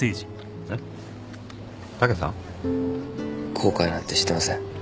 後悔なんてしてません。